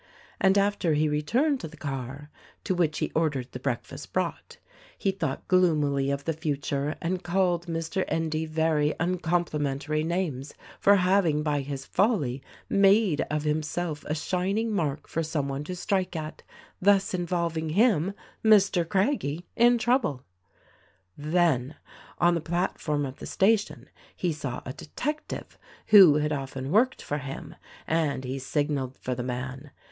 And after he returned to the car —■ to which he ordered the breakfast brought — he thought gloomily of the future and called Mr. Endy very uncom plimentary names for having by his folly made of himself a shining mark for some one to strike at, thus involving him, Mr. Craggie, in trouble. Then, on the platform of the station, he saw a detective who had often worked for him, and he signaled for the man.